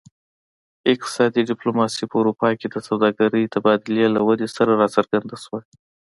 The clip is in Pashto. اقتصادي ډیپلوماسي په اروپا کې د سوداګرۍ تبادلې له ودې سره راڅرګنده شوه